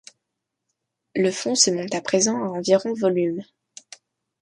Le fonds se monte à présent à environ volumes.